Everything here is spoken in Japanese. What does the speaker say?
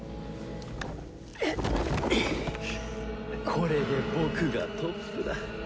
これで僕がトップだ。